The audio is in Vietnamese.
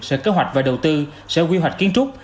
sở kế hoạch và đầu tư sở quy hoạch kiến trúc